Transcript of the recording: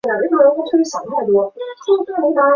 台湾蕈珊瑚为蕈珊瑚科蕈珊瑚属下的一个种。